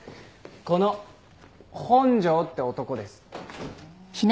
この本庄って男です。